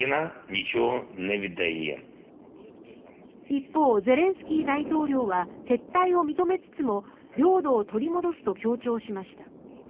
一方、ゼレンスキー大統領は撤退を認めつつも領土を取り戻すと強調しました。